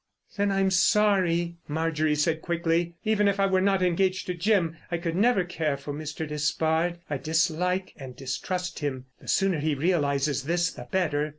"Then I'm sorry," Marjorie said quickly. "Even if I were not engaged to Jim I could never care for Mr. Despard. I dislike and distrust him. The sooner he realises this the better."